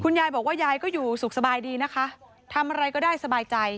ยายบอกว่ายายก็อยู่สุขสบายดีนะคะทำอะไรก็ได้สบายใจ